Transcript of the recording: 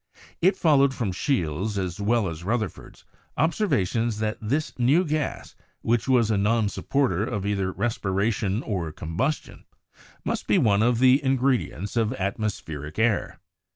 It followed from Scheele's, as well as Rutherford's, observations that this new gas, which was a non supporter of either respiration or combustion, must be one of the in DEVELOPMENT OF SPECIAL BRANCHES 131 gredients of atmospheric air.